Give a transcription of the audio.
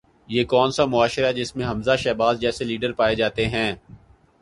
یہ کون سا معاشرہ ہے جس میں حمزہ شہباز جیسے لیڈر پائے جاتے ہیں؟